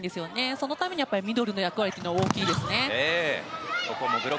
そのためにミドルの役割は大きいですね。